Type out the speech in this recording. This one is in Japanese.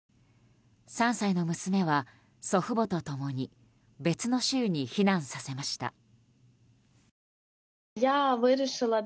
３歳の娘は祖父母と共に別の州に避難させました。